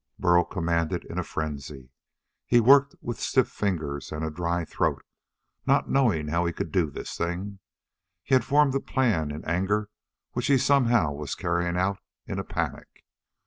Burl commanded in a frenzy. He worked with stiff fingers and a dry throat, not knowing how he could do this thing. He had formed a plan in anger which he somehow was carrying out in a panic.